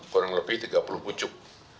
kurang lebih tiga puluh pucuk